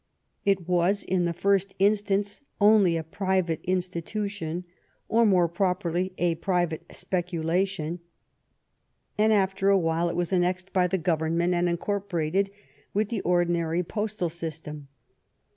It was in the first instance only a private institution, or, more properly, a private speculation, and after a while it was annexed by the government and incorported with the ordinary postal system.